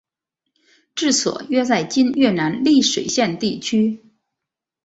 治所约在今越南丽水县地区。